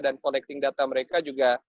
dan collecting data mereka juga